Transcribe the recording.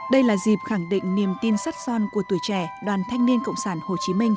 đây là dịp khẳng định niềm tin sắt son của tuổi trẻ đoàn thanh niên cộng sản hồ chí minh